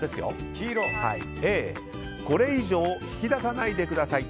これ以上引き出さないでください